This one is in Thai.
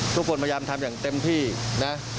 พยายามทำอย่างเต็มที่นะ